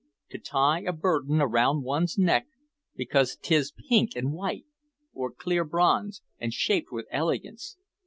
to tie a burden around one's neck because 't is pink and white, or clear bronze, and shaped with elegance!